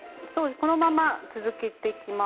このまま続けていきます。